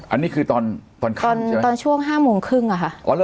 อันนี้คือตอนตอนตอนช่วงห้าโมงครึ่งอ่ะค่ะอ๋อ